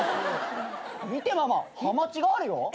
見てママハマチがあるよ。